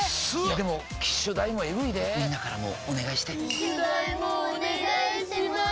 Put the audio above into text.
でも機種代もエグいでぇみんなからもお願いして機種代もお願いします